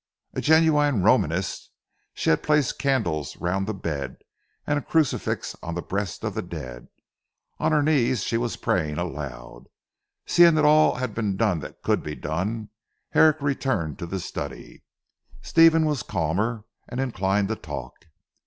A genuine Romanist, she had placed candles round the bed, and a crucifix on the breast of the dead, On her knees she was praying aloud. Seeing that all had been done that could be done, Herrick returned to the study. Stephen was calmer, and inclined to talk.